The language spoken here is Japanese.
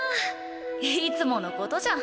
いつものことじゃん。